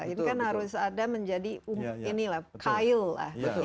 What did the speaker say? itu kan harus ada menjadi ini lah kail lah